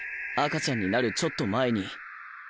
赤ちゃんになるちょっと前に。